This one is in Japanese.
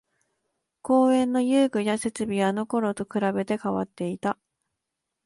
公園の遊具や設備はあのころと比べて変わっていた